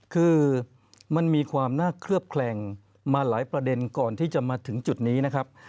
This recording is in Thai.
คือมันมีความน่าเคลือบแคลงมาหลายประเด็นก่อนที่จะมาถึงจุดนี้นะครับ